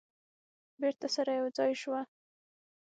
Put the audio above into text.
بیرته سره یو ځای شوه.